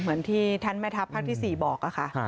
เหมือนที่ท่านแม่ทัพภาคที่๔บอกค่ะ